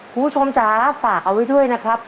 ผู้ชมจ๊ะฝากเอาไว้ด้วยนะครับ